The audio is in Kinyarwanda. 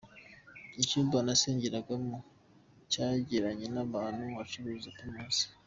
Icyumba nasengeragamo cyegeranye n’ahantu bacuruza Primus.